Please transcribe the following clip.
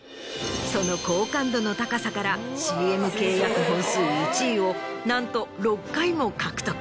その好感度の高さからＣＭ契約本数１位をなんと６回も獲得。